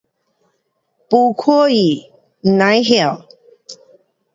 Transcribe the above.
没看见，甭晓。